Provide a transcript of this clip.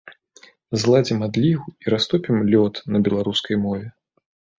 Зладзім адлігу і растопім лёд на беларускай мове!